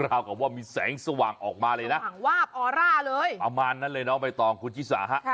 ราวคือว่ามีแสงสว่างออกมาเลยนะประมาณนั่นเลยเนอะไม่ต้องคุณฝิศา